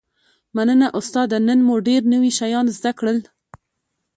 مننه استاده نن مو ډیر نوي شیان زده کړل